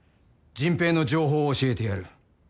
迅平の情報を教えてやる」